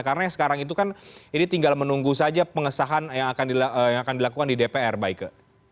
karena sekarang itu kan ini tinggal menunggu saja pengesahan yang akan dilakukan di dpr baike